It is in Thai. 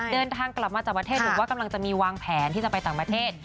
เดินทางกลับมาจากประเทศหรือว่ากำลังจะมีวางแผนที่จะไปต่างประเทศ